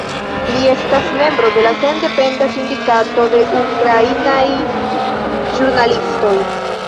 Li estas membro de sendependa sindikato de ukrainaj ĵurnalistoj.